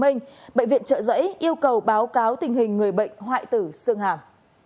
bệnh viện trợ giấy yêu cầu báo cáo tình hình người bệnh hoại tử xương hàm